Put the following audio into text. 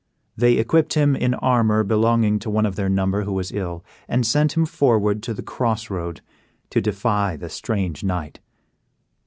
They equipped him in armor belonging to one of their number who was ill, and sent him forward to the cross road to defy the strange knight.